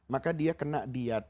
maka dia kena diat